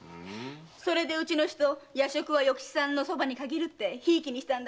それでうちの人夜食は与吉さんの蕎麦に限るって贔屓にしたの。